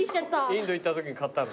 インド行ったときに買ったんだ？